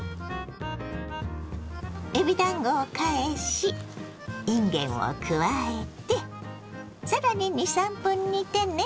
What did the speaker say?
えびだんごを返しいんげんを加えて更に２３分煮てね。